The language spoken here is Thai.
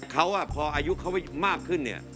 เขาพออายุเขามากขึ้นเนี่ย